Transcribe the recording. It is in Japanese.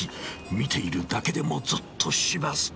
［見ているだけでもぞっとします］